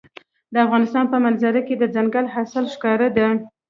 د افغانستان په منظره کې دځنګل حاصلات ښکاره ده.